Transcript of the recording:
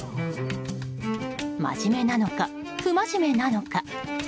真面目なのか、不真面目なのか。